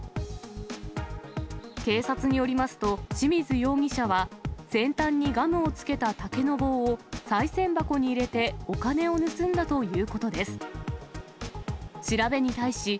警察によりますと、清水容疑者は、先端にガムをつけた竹の棒を、さい銭箱に入れてお金を盗んだということです。